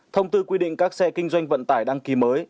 thông tư quy định các xe kinh doanh vận tải đăng ký mới